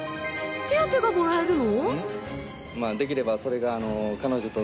手当がもらえるの？